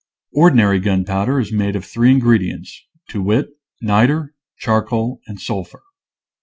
Ordinary gunpowder is made of three in gredients, to wit: niter, charcoal, and sul phur.